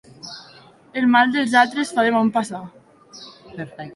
El mal dels altres fa de bon passar.